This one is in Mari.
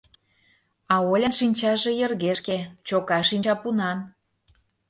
А Олян шинчаже йыргешке, чока шинчапунан.